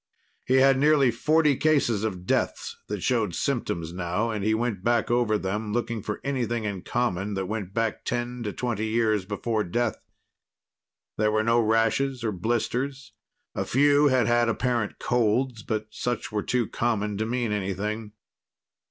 He had nearly forty cases of deaths that showed symptoms now, and he went back over them, looking for anything in common that went back ten to twenty years before death. There were no rashes nor blisters. A few had had apparent colds, but such were too common to mean anything.